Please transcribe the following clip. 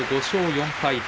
５勝４敗。